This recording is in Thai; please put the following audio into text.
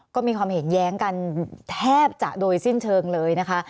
ก็มีความเห็นแย้งกันแทบจะโดยสิ้นเชิงเลยนะคะ